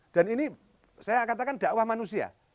dan ini saya katakan dakwah manusia